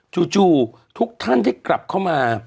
จู่ทุกท่านได้กลับเข้ามา